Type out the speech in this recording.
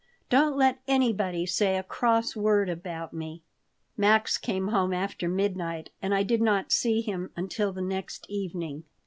Don't let anybody say a cross word about me." Max came home after midnight and I did not see him until the next evening.